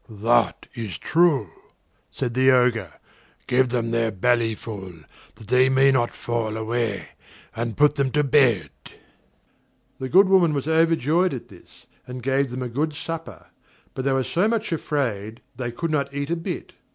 "That is true," said the Ogre, "give them their belly full, that they may not fall away, and put them to bed." The good woman was overjoyed at this, and gave them a good supper; but they were so much afraid, they could not eat a bit.